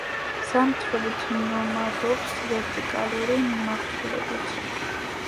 ზამთრობით ნომადობს ვერტიკალური მიმართულებით.